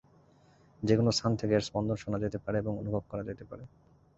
যে কোন স্থান থেকে এর স্পন্দন শোনা যেতে পারে এবং অনুভব করা যেতে পারে।